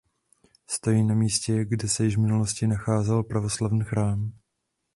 Stojí na místě kde se již v minulosti nacházel pravoslavný chrám.